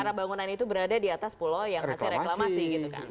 karena bangunan itu berada di atas pulau yang hasil reklamasi gitu kan